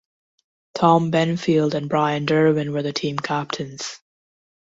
Tom Benfield and Brian Derwin were the team captains.